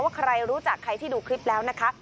ใครรู้จักใครที่ดูคลิปแล้วนะคะ